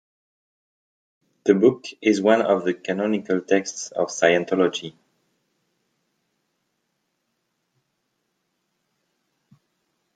The book is one of the canonical texts of Scientology.